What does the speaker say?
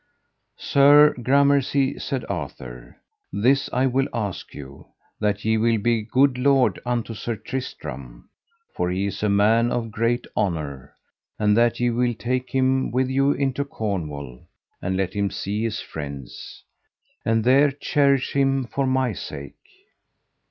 Sir, gramercy, said Arthur. This I will ask you, that ye will be good lord unto Sir Tristram, for he is a man of great honour; and that ye will take him with you into Cornwall, and let him see his friends, and there cherish him for my sake.